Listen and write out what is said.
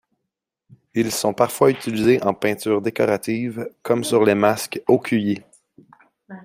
Ils sont parfois utilisés en peinture décorative, comme sur les masques Okuyi.